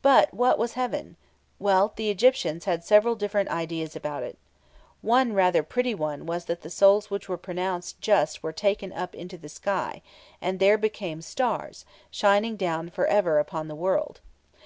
But what was heaven? Well, the Egyptians had several different ideas about it. One rather pretty one was that the souls which were pronounced just were taken up into the sky, and there became stars, shining down for ever upon the world.